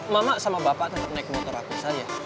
mama sama bapak tetap naik motor aku saja